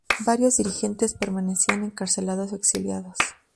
Varios dirigentes permanecían encarcelados o exiliados.